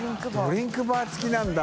ドリンクバー付きなんだ。